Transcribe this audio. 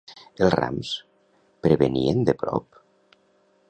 Els rams prevenien de prop?